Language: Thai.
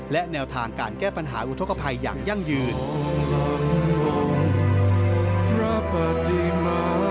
และแนวทางการแก้ปัญหาอุทธกภัยอย่างยั่งยืน